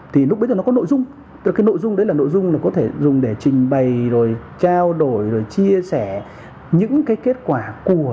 thì lúc bây giờ nó có nội dung cái nội dung đấy là nội dung có thể dùng để trình bày trao đổi chia sẻ những kết quả của các bạn